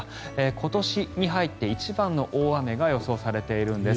今年に入って一番の大雨が予想されているんです。